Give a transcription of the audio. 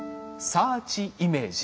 サーチイメージ？